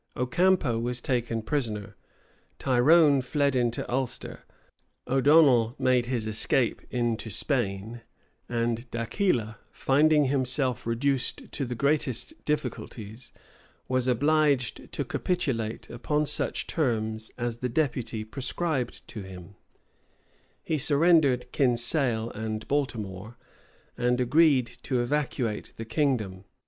[] Ocampo was taken prisoner; Tyrone fled into Ulster; O'Donnel made his escape into Spain; and D'Aquila, finding himself reduced to the greatest difficulties, was obliged to capitulate upon such terms as the deputy prescribed to him; he surrendered Kinsale and Baltimore, and agreed to evacuate the kingdom.